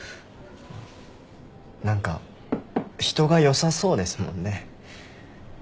何か人が良さそうですもんね。